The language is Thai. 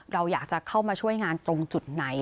เราอยากจะเข้ามาช่วยงานตรงจุดไหน